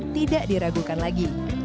tidak diragukan lagi